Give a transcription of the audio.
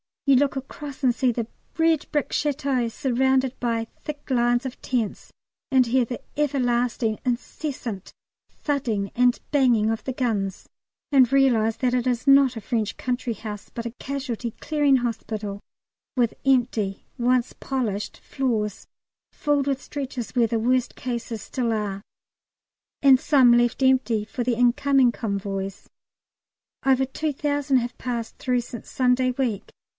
You look across and see the red brick Château surrounded by thick lines of tents, and hear the everlasting incessant thudding and banging of the guns, and realise that it is not a French country house but a Casualty Clearing Hospital, with empty once polished floors filled with stretchers, where the worst cases still are, and some left empty for the incoming convoys. Over two thousand have passed through since Sunday week.